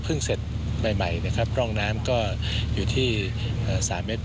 เพิ่งเสร็จใหม่ร่องน้ำก็อยู่ที่๓๘๐ม